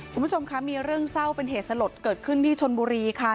คุณผู้ชมคะมีเรื่องเศร้าเป็นเหตุสลดเกิดขึ้นที่ชนบุรีค่ะ